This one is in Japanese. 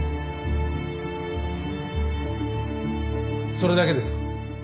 それだけですか？